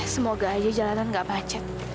semoga aja jalanan gak macet